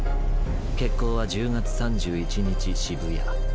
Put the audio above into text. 決行は１０月３１日渋谷。